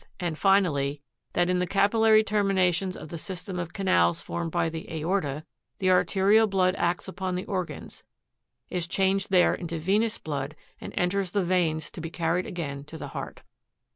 — and finally, that in the capillary terminations of the system of canals formed by the aorta, the arterial blood acts upon the organs, is changed there into venous blood, and enters the veins to be carried again to the heart.